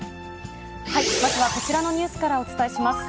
まずはこちらのニュースからお伝えします。